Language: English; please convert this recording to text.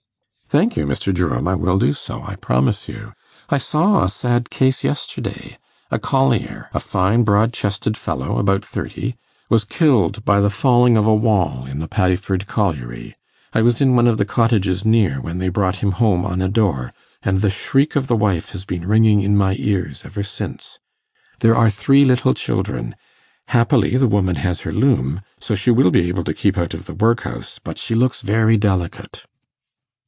'Thank you, Mr. Jerome, I will do so, I promise you. I saw a sad case yesterday; a collier a fine broad chested fellow about thirty was killed by the falling of a wall in the Paddiford colliery. I was in one of the cottages near, when they brought him home on a door, and the shriek of the wife has been ringing in my ears ever since. There are three little children. Happily the woman has her loom, so she will be able to keep out of the workhouse; but she looks very delicate.